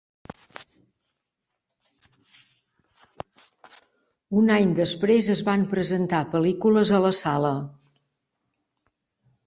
Un any després, es van presentar pel·lícules a la sala.